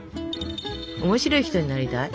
面白い人になりたい？